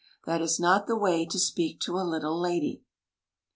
" That is not the way to speak to a little lady."